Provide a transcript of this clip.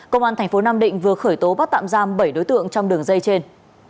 công an thành phố nam định vừa khởi tố bắt tạm giam bảy đối tượng trong đường dây trên